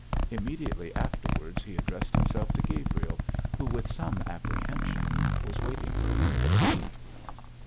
Immediately afterwards he addressed himself to Gabriel, who, with some apprehension, was waiting for him to speak.